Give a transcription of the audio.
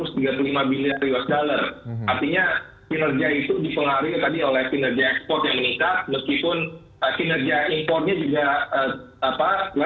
semuanya terkoreksi di eropa juga